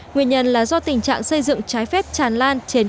nguyên nhân là do tình trạng xây dựng trái phép tràn lan trên các chiến núi